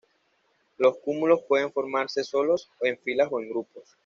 Los cúmulos pueden formarse solos, en filas o en grupos.